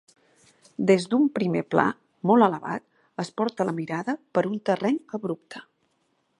Des d'un primer pla molt elevat es porta la mirada per un terreny abrupte.